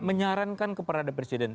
menyarankan keperadaan presiden